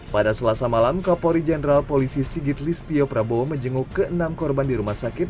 pada selasa malam kapolri jenderal polisi sigit listio prabowo menjenguk ke enam korban di rumah sakit